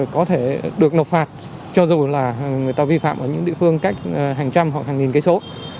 có thể được nộp phạt cho dù là người ta vi phạm ở những địa phương cách hàng trăm hoặc hàng nghìn cây số